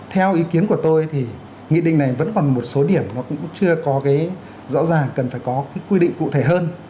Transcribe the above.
theo ý kiến của tôi thì nghị định này vẫn còn một số điểm nó cũng chưa có cái rõ ràng cần phải có cái quy định cụ thể hơn